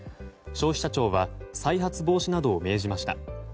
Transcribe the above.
消費者庁は再発防止などを命じました。